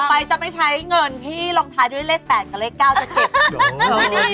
ต่อไปจะไปใช้เงินที่หลองทายด้วยเลข๘กับเลข๙จากเกี่ยว